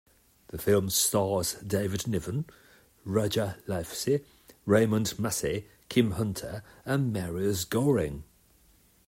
The film stars David Niven, Roger Livesey, Raymond Massey, Kim Hunter and Marius Goring.